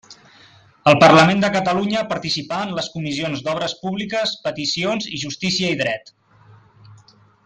Al Parlament de Catalunya participà en les comissions d'obres públiques, peticions i justícia i dret.